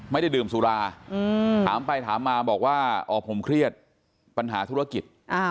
ไม่ได้ดื่มสุราถามไปถามมาบอกว่าอ๋อผมเครียดปัญหาธุรกิจ